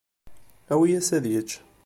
Awi-yas ad yečč.